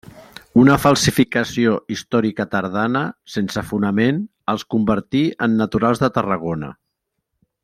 Una falsificació històrica tardana, sense fonament, els convertí en naturals de Tarragona.